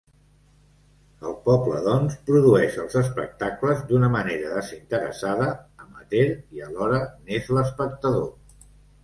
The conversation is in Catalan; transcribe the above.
El poble, doncs, produeix els espectacles d'una manera desinteressada, amateur, i alhora n'és l’espectador.